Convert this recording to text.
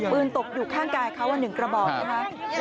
ปืนตกอยู่ข้างกายเขานึงกระบอบนะคะ